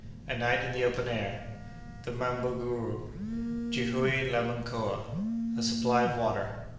—A Night in the Open Air.—The Mabunguru.—Jihoue la Mkoa.—A Supply of Water.